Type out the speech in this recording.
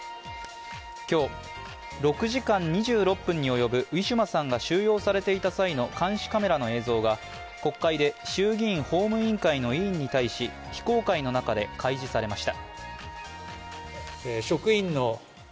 今日、６時間２６分に及ぶウィシュマさんが収容されていた際の監視カメラの映像が国会で衆議院法務委員会の委員に対し非公開の中で開示されました。